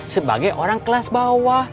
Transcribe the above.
sebagai orang kelas bawah